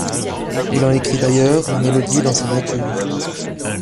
Il en écrit d'ailleurs la mélodie dans sa voiture.